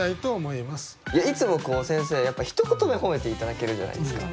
いつも先生やっぱひと言目褒めて頂けるじゃないですか。